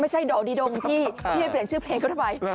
ไม่ใช่โดดีดงพี่พี่ไม่เปลี่ยนชื่อเพลงก็ได้ไป